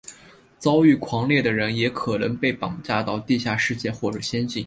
遭遇狂猎的人也可能被绑架到地下世界或者仙境。